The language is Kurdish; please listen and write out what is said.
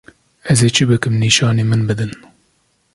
Ez ê çi bikim nîşanî min bidin.